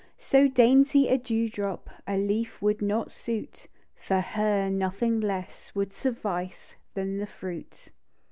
So dainty a dew drop A leaf would not suit, For her nothing less Would suffice, than the fruit.